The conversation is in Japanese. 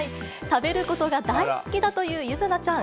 食べることが大好きだという柚凪ちゃん。